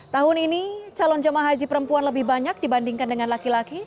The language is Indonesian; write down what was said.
tahun ini calon jemaah haji perempuan lebih banyak dibandingkan dengan laki laki